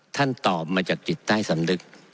ท่านตอบมาจากจิตใต้สำนึก